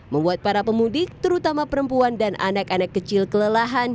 membuat para pemudik terutama perempuan dan anak anak kecil kelelahan